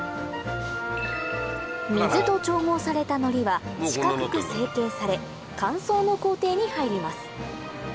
水と調合されたのりは四角く成形され乾燥の工程に入ります